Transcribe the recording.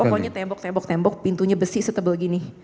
pokoknya tembok tembok pintunya besi setebal gini